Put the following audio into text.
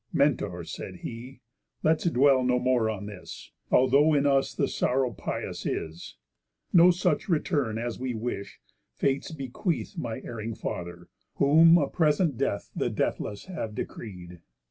"Mentor!" said he, "let's dwell no more on this, Although in us the sorrow pious is. No such return, as we wish, Fates bequeath My erring father; whom a present death The Deathless have decreed.